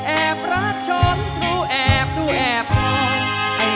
แอบรักชนทูแอบดูแอบคลอง